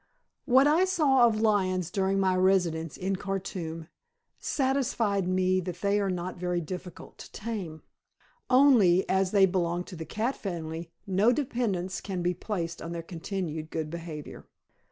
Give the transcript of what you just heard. What I saw of lions during my residence in Khartoum satisfied me that they are not very difficult to tame, only, as they belong to the cat family, no dependence can be placed on their continued good behavior....